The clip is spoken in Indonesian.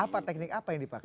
apa teknik apa yang dipakai